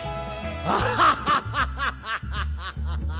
ハハハハハ！